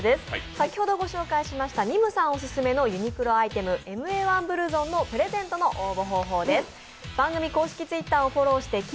先ほどご紹介しましたＮＩＭＵさんオススメのＭＡ−１ブルゾンプレゼントの応募方法です。